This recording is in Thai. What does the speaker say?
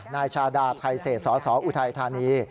นายชาดาไทเศษสสออุทัยธานี